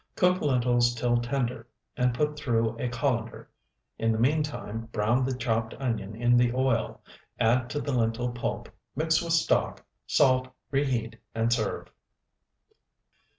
Cook lentils till tender and put through a colander; in the meantime brown the chopped onion in the oil; add to the lentil pulp, mix with stock, salt, reheat, and serve.